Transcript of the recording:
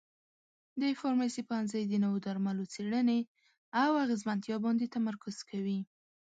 د فارمسي پوهنځی د نوو درملو څېړنې او اغیزمنتیا باندې تمرکز کوي.